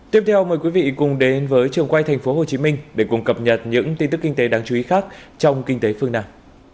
tiếp theo mời quý vị cùng đến với trường quay tp hcm để cùng cập nhật những tin tức kinh tế đáng chú ý khác trong kinh tế phương nam